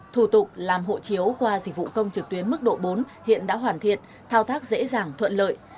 thủ tục làm hộ chiếu qua dịch vụ công trực tuyến mức độ bốn hiện đã hoàn thiện thao tác dễ dàng thuận lợi